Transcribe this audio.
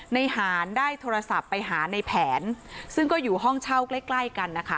ในหารได้โทรศัพท์ไปหาในแผนซึ่งก็อยู่ห้องเช่าใกล้ใกล้กันนะคะ